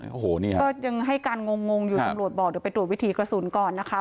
โอ้โหเนี่ยก็ยังให้การงงอยู่ตำรวจบอกเดี๋ยวไปตรวจวิถีกระสุนก่อนนะคะ